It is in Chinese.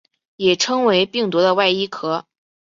也称为病毒的外衣壳。